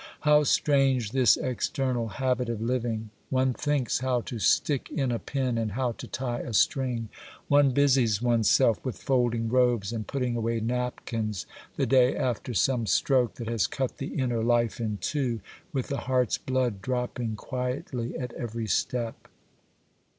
How strange this external habit of living! One thinks how to stick in a pin, and how to tie a string,—one busies one's self with folding robes, and putting away napkins, the day after some stroke that has cut the inner life in two, with the heart's blood dropping quietly at every step.